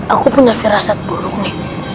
aku punya firasat burung nih